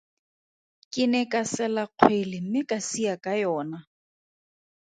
Ke ne ka sela kgwele mme ka sia ka yona.